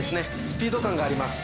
スピード感があります